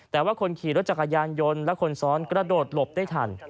แต่ว่าคนขี่รถจักรยานยนต์และคนซ้อนกระโดดหลบได้ทัน